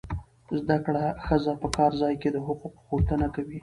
زده کړه ښځه په کار ځای کې د حقوقو غوښتنه کوي.